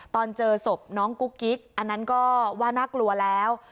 ตอนเจอศพน้องกุ๊กกิ๊กอันนั้นก็ว่าน่ากลัวแล้ว